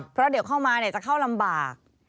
เพราะเดี๋ยวเข้ามาจะเข้าลำบาก